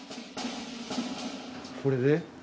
これで？